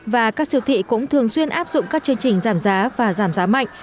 và các siêu thị cũng thường xuyên áp dụng các chương trình giảm giá và giảm giá mạnh